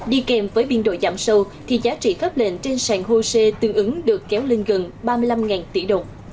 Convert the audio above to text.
đi kèm với biên đội giảm sâu thì giá trị phép lệnh trên sàn hosea tương ứng được kéo lên gần ba mươi năm tỷ đồng